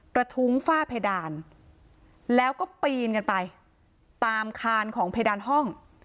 ทุ้งฝ้าเพดานแล้วก็ปีนกันไปตามคานของเพดานห้อง